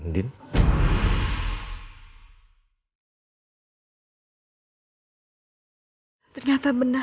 dia sama sama yang mereka